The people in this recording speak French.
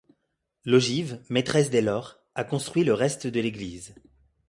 L'ogive, maîtresse dès lors, a construit le reste de l'église.